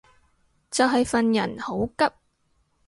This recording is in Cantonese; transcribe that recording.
就係份人好急